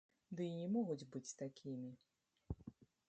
Ды й не могуць быць такімі.